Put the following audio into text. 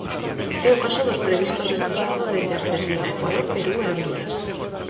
É o caso dos previstos este sábado dende a Arxentina, Ecuador, Perú e Honduras.